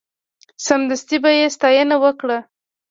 سمدستي به یې ستاینه وکړه.